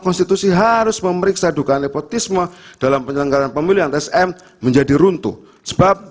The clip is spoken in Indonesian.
konstitusi harus memeriksa dugaan nepotisme dalam penyelenggaraan pemilihan sm menjadi runtuh sebab